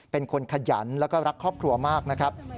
เป็นคนขยันแล้วก็รักครอบครัวมากนะครับ